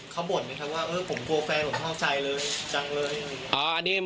เขาบ่นไหมครับว่าเออผมกลัวแฟนผมเข้าใจเลยจังเลยอะไรอย่างเนี่ย